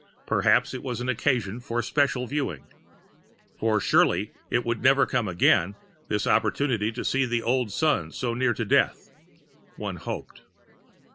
Perhaps it was an occasion for special viewing. For surely it would never come again, this opportunity to see the old Sun so near to death.... One hoped.